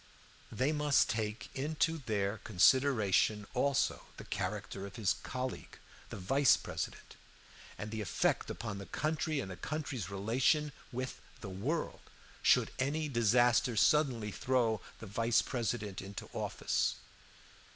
They must take into their consideration also the character of his colleague, the vice president, and the effect upon the country and the country's relation with, the world, should any disaster suddenly throw the vice president into office.